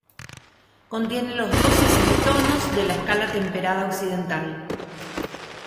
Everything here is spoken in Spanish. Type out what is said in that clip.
Contiene los doce semitonos de la escala temperada occidental.